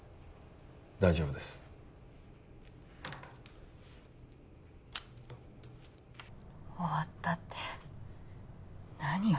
大丈夫です終わったって何よ